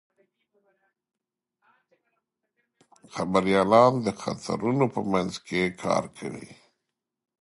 خبریالان د خطرونو په منځ کې کار کوي.